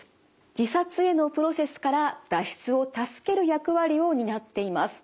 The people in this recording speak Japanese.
自殺へのプロセスから脱出を助ける役割を担っています。